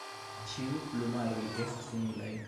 Ĉiu plumaroj estas similaj.